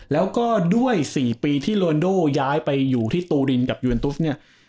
แล้วก็ด้วย๔ปีที่โรนโดย้ายไปอยู่ที่ตูรินกับยูเอ็นตุสเนี่ย